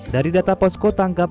dari data posko tanggap